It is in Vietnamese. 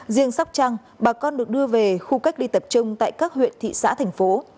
riêng sóc trăng bà con được đưa về khu cách ly tập trung tại các huyện thị xã thành phố